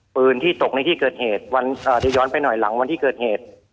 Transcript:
ปืนที่ตกในที่เกิดเหตุเดี๋ยวย้อนไปหน่อยหลังวันที่เกิดเหตุ